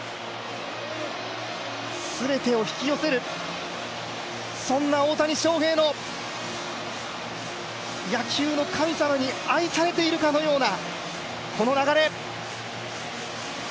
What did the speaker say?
全てを引き寄せる、そんな大谷翔平の野球の神様に愛されているかのような、この流れ。